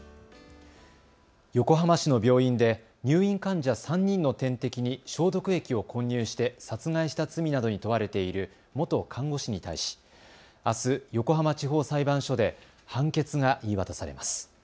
横浜市の病院で入院患者３人の点滴に消毒液を混入して殺害した罪などに問われている元看護師に対し、あす横浜地方裁判所で判決が言い渡されます。